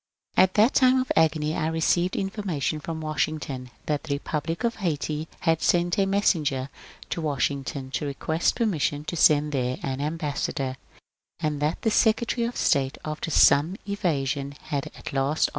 At that time of agony I received information from Washing ton that the Republic of Haiti had sent a messenger to Wash ington to request permission to send there an ambassador, and that the Secretary of State, after some evasion, had at last